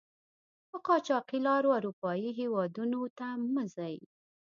په قاچاقي لارو آروپایي هېودونو ته مه ځئ!